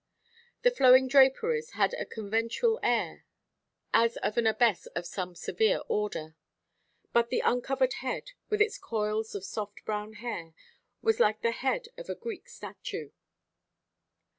The flowing draperies had a conventual air, as of an abbess of some severe order; but the uncovered head, with its coils of soft brown hair, was like the head of a Greek statue.